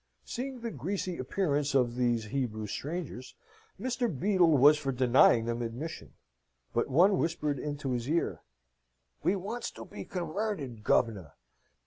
Seeing the greasy appearance of these Hebrew strangers, Mr. Beadle was for denying them admission. But one whispered into his ear, "We wants to be conwerted, gov'nor!"